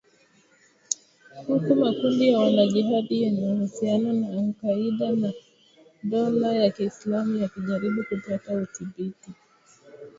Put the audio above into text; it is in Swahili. huku makundi ya wanajihadi yenye uhusiano na al-Qaeda na na dola ya Kiislamu yakijaribu kupata udhibiti wa